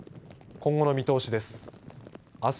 今後の見通しです。